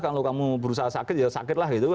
kalau kamu berusaha sakit ya sakit lah gitu